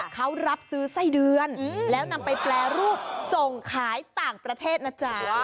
เขารับซื้อไส้เดือนแล้วนำไปแปรรูปส่งขายต่างประเทศนะจ๊ะ